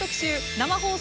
「生放送！